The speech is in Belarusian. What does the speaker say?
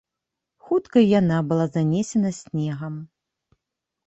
Хутка і яна была занесена снегам.